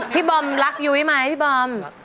พี่บอมรักยุ้ยหรือมั้ยพี่บอม